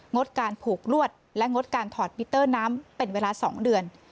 ดการผูกลวดและงดการถอดมิเตอร์น้ำเป็นเวลา๒เดือน